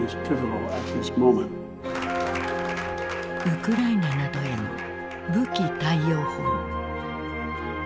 ウクライナなどへの武器貸与法。